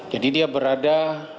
jadi dia berada